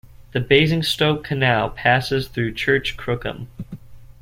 The Basingstoke Canal passes through Church Crookham.